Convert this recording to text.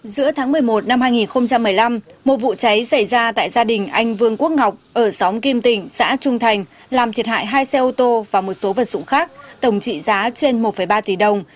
giữa tháng một mươi một năm hai nghìn một mươi năm một vụ cháy xảy ra tại gia đình anh vương quốc ngọc ở xóm kim tỉnh xã trung thành làm thiệt hại hai xe ô tô và một số vật dụng khác tổng trị giá trên một ba tỷ đồng